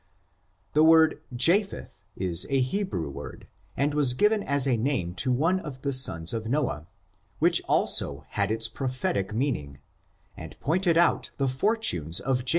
The word Japheth, is a Hebrew word, and was giv en as a name to one of the sons of Noah, which also had its prophetic meaning, and pointed out the for i FORTUNES, OF THE NEGRO RACE.